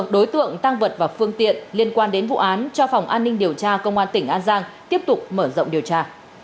một đối tượng tăng vật và phương tiện liên quan đến vụ án cho phòng an ninh điều tra công an tỉnh an giang tiếp tục mở rộng điều tra